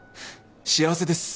幸せです